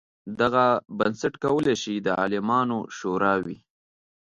دغه بنسټ کولای شي د عالمانو شورا وي.